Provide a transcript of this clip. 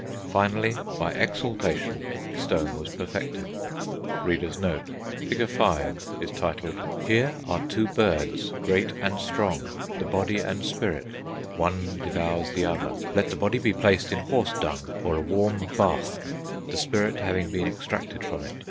Finally, by Exaltation, the Stone was perfected. [Illustration: Here are two birds, great and strong the body and spirit; one devours the other. Let the body be placed in horse dung, or a warm bath, the spirit having been extracted from it.